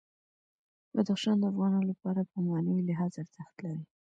بدخشان د افغانانو لپاره په معنوي لحاظ ارزښت لري.